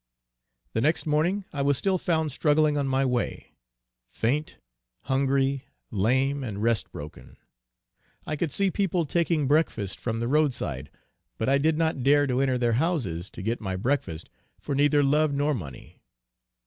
The next morning I was still found struggling on my way faint, hungry, lame, and rest broken. I could see people taking breakfast from the road side, but I did not dare to enter their houses to get my breakfast, for neither love nor money.